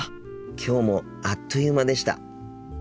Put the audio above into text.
きょうもあっという間でした。